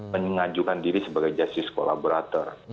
mengajukan diri sebagai justice kolaborator